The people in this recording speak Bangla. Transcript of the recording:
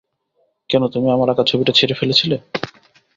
কেন তুমি আমার আঁকা ছবিটা ছিঁড়ে ফেলেছিলে?